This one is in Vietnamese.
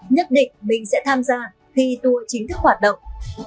nhất định mình sẽ tham gia khi tour chính thức hoạt động